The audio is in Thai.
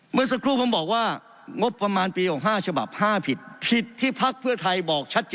เมื่อสักครู่ผมบอกว่างบประมาณปี๕ฉบับ